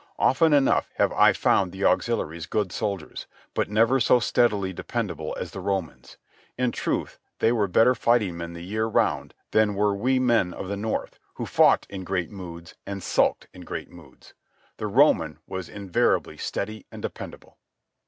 Often enough have I found the auxiliaries good soldiers, but never so steadily dependable as the Romans. In truth they were better fighting men the year round than were we men of the North, who fought in great moods and sulked in great moods. The Roman was invariably steady and dependable.